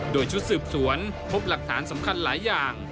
โดยชุดสืบสวนพบหลักฐานสำคัญหลายอย่าง